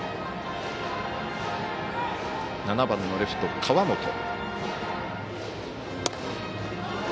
７番のレフト、川元。